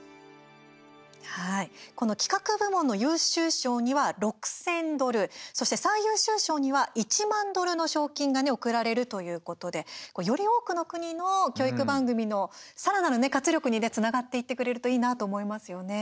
この企画部門の優秀賞には６０００ドルそして最優秀賞には１万ドルの賞金が贈られるということでより多くの国の教育番組のさらなる活力につながっていってくれるといいなと思いますよね。